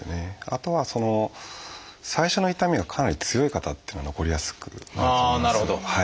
あとは最初の痛みがかなり強い方っていうのは残りやすくなると思います。